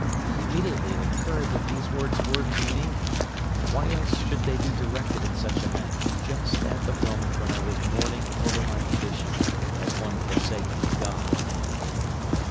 Immediately it occurred that these words were to me; why else should they be directed in such a manner, just at the moment when I was mourning over my condition, as one forsaken of God and man?